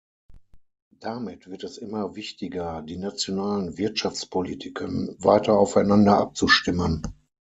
Damit wird es immer wichtiger, die nationalen Wirtschaftspolitiken weiter aufeinander abzustimmen.